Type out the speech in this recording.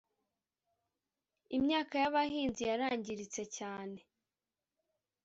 imyaka y’abahinzi yarangiritse cyane